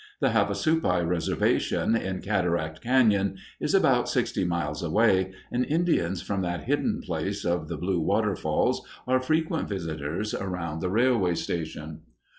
The Havasupai Reservation, in Cataract Cañon, is about sixty miles away, and Indians from that hidden place of the blue waterfalls are frequent visitors around the railway station.